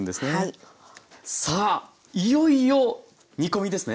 さあいよいよ煮込みですね？